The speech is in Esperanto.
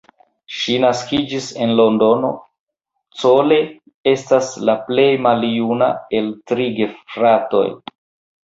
Ŝi naskiĝis en Londono, Cole estas la plej maljuna el tri gefratoj.